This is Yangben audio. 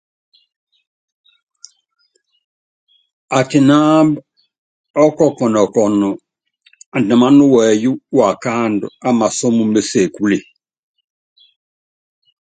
Atinámb ɔ́kɔkɔnɔ kɔn andimán wɛyɛ́ waakándɔ́ á masɔ́m mé sebúle.